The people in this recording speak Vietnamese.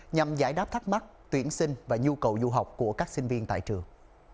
nhằm giải đáp thắc mắc tuyển sinh và nhu cầu du học của các sinh viên tại trường